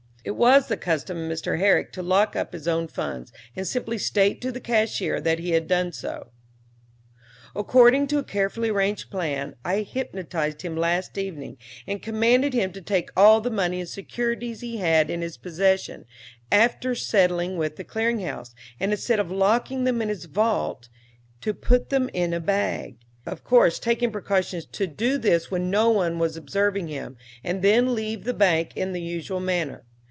It was the custom for Mr. Herrick to lock up his own funds, and simply state to the cashier that he had done so. "'According to a carefully arranged plan, I hypnotized him last evening and commanded him to take all the money and securities he had in his possession, after settling with the clearing house, and instead of locking them in his vault to put them in a bag, of course taking precautions to do this when no one was observing him, and then leave the bank in the usual manner.